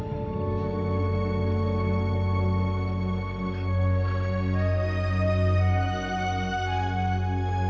tidak ada apa apa